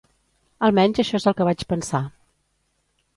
Almenys això és el que vaig pensar.